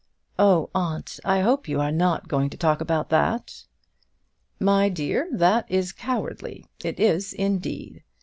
"Oh, aunt, I hope you are not going to talk about that." "My dear, that is cowardly; it is, indeed.